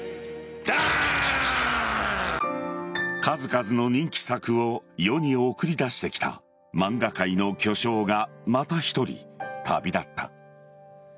数々の人気作を世に送り出してきた漫画界の巨匠がまた１人旅立った。